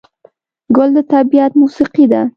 ګل د طبیعت موسیقي ده.